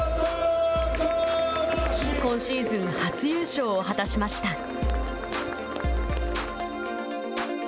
今シーズン初優勝を果たしました。